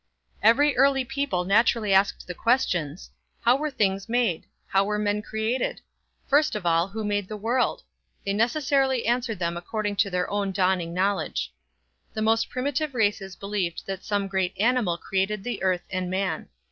Every early people naturally asked the questions, How were things made? How were men created? First of all, Who made the world? They necessarily answered them according to their own dawning knowledge. The most primitive races believed that some great animal created the earth and man.